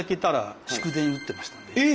え！